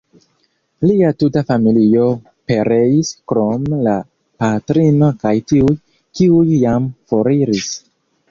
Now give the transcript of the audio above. Lia tuta familio pereis krom la patrino kaj tiuj, kiuj jam foriris.